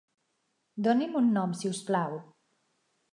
Doni'm un nom si us plau.